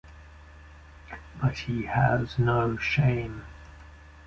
But he has no shame.